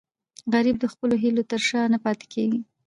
غریب د خپلو هیلو تر شا نه پاتې کېږي